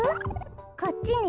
こっちね？